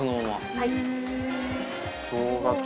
はい。